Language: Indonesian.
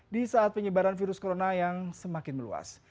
di saat penyebaran virus corona yang semakin meluas